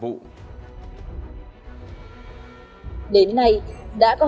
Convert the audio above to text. trong vụ án liên quan đến xs việt á